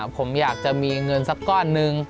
ผมอยากจะมีเงินสักก้อนนึง